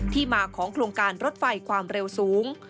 ที่มาของโครงการรถไฟความเร็วสูง